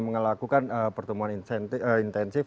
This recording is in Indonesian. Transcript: melakukan pertemuan intensif